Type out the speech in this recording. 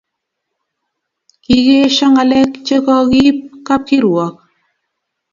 kakeesho ngalek chekokiib kapkirwok